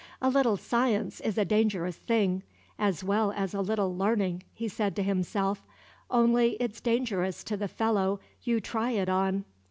"A little science is a dangerous thing, 'as well as a little 'learning,'" he said to himself; "only it's dangerous to the fellow you' try it on."